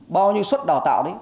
bao nhiêu xuất đào tạo đấy